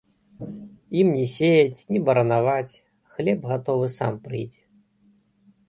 Ім ні сеяць, ні баранаваць, хлеб гатовы сам прыйдзе.